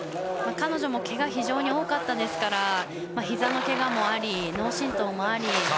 彼女もけがが非常に多かったですからひざのけがもあり脳震とうもあり。